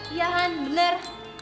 iya han bener